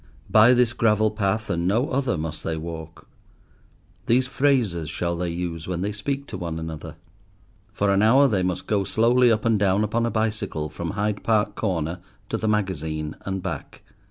By this gravel path and no other must they walk; these phrases shall they use when they speak to one another. For an hour they must go slowly up and down upon a bicycle from Hyde Park Corner to the Magazine and back.